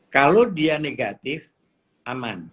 kalau dia negatif aman